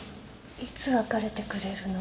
いつ別れてくれるの？